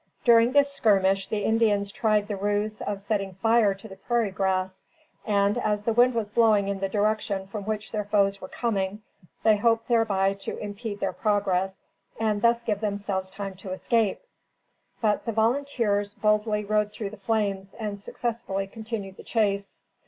During this skirmish, the Indians tried the ruse of setting fire to the prairie grass, and, as the wind was blowing in the direction from which their foes were coming, they hoped thereby to impede their progress, and thus give themselves time to escape; but the volunteers boldly rode through the flames, and successfully continued the chase.